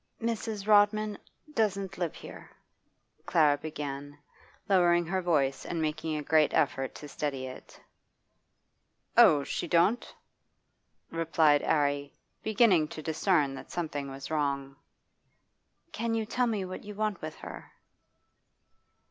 'Mrs. Rodman doesn't live here,' Clara began, lowering her voice and making a great effort to steady it. 'Oh, she don't?' replied 'Arry, beginning to discern that something was wrong. 'Can you tell me what you want with her?